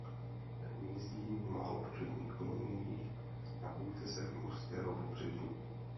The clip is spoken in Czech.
Hnízdí v málo početných koloniích na útesech mořského pobřeží.